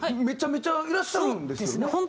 めちゃめちゃいらっしゃるんですよね。